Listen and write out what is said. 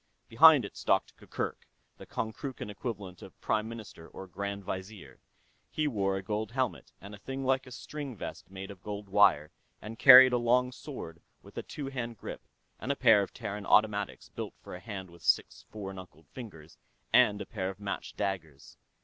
Behind it stalked Gurgurk, the Konkrookan equivalent of Prime Minister or Grand Vizier; he wore a gold helmet and a thing like a string vest made of gold wire, and carried a long sword with a two hand grip, a pair of Terran automatics built for a hand with six four knuckled fingers, and a pair of matched daggers.